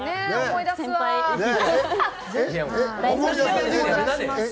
思い出します。